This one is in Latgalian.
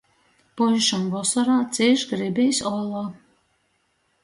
Puišam vosorā cīš gribīs ola.